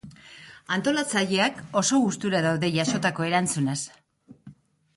Antolatzaileek oso gustura daude jasotako erantzunaz.